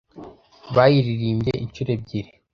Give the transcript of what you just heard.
Bayiririmbye inshuro ebyiri